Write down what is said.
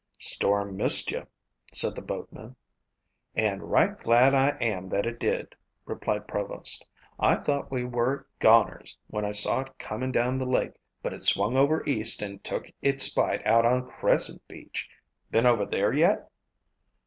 "Storm missed you," said the boatman. "And right glad I am that it did," replied Provost. "I thought we were goners when I saw it coming down the lake but it swung over east and took its spite out on Crescent Beach. Been over there yet?"